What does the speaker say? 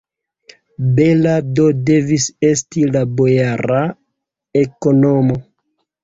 Bela do devis esti la bojara ekonomo!